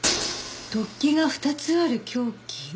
突起が２つある凶器？